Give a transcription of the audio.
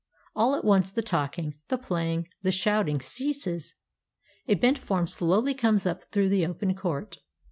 All at once the talking, the playing, the shout ing ceases. A bent form slowly comes up through the open court.